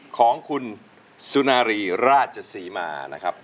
ของคุณสุนารีราชศรีมานะครับ